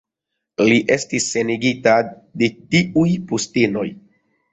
Li estis senigita de tiuj postenoj.